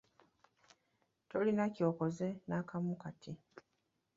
Tolina kyokoze nakamu kati.